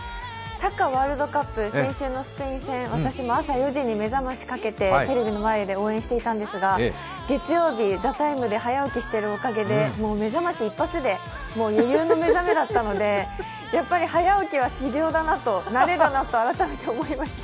サッカーワールドカップ、先週のスペイン戦、私も朝４時に目覚ましかけてテレビの前で応援していたんですが月曜日、「ＴＨＥＴＩＭＥ，」で早起きしているおかげでもう目覚まし一発で、余裕の目覚めだったので早起きは修行だなと、慣れだなと、改めて思いました。